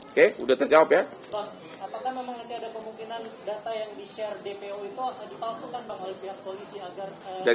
oke udah terjawab ya